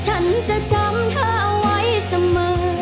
ฉันจะจำเธอไว้เสมอ